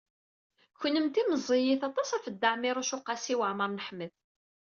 Kennemti meẓẓiyit aṭas ɣef Dda Ɛmiiruc u Qasi Waɛmer n Ḥmed.